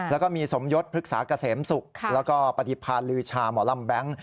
แล้วก็มีสมยศพฤกษากเสมสุขแล้วก็ปฏิพาริวิชาหมอลำแบงค์